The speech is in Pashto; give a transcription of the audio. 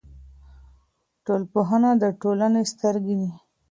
ټولنپوهنه د ټولنې سترګې دي.